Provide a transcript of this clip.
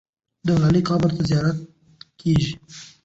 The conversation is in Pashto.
د ملالۍ قبر ته زیارت کېږي.